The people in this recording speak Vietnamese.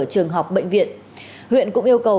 trường học bệnh viện huyện cũng yêu cầu